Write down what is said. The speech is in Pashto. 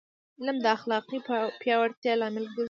علم د اخلاقي پیاوړتیا لامل ګرځي.